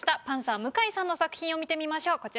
パンサー向井さんの作品を見てみましょう。